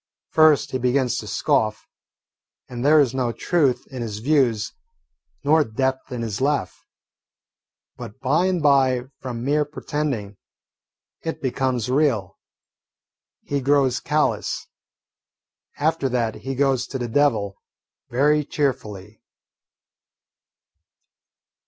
First, he begins to scoff, and there is no truth in his views nor depth in his laugh. But by and by, from mere pretending, it becomes real. He grows callous. After that he goes to the devil very cheerfully.